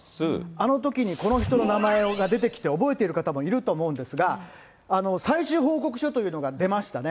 あのときにこの人の名前が出てきて覚えてる方もいると思うんですが、最終報告書というのが出ましたね。